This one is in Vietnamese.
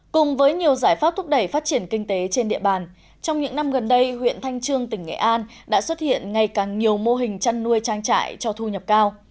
cùng với nhiều giải pháp thúc đẩy phát triển kinh tế trên địa bàn trong những năm gần đây huyện thanh trương tỉnh nghệ an đã xuất hiện ngày càng nhiều mô hình chăn nuôi trang trại cho thu nhập cao